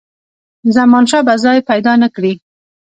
زمانشاه به ځای پیدا نه کړي.